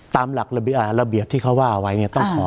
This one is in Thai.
ตามหลักระเบียบที่เขาว่าเอาไว้เนี่ยต้องขอ